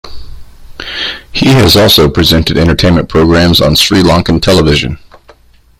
He has also presented entertainment programmes on Sri Lankan television.